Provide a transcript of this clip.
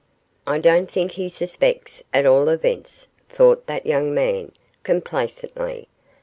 'I don't think he suspects, at all events,' thought that young man, complacently.